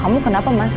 kamu kenapa mas